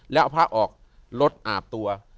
แล้วพระออกลดอาบตัว